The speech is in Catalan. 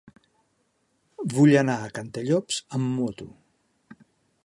Vull anar a Cantallops amb moto.